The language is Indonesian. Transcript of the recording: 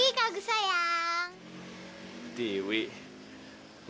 terima kasih mbak apang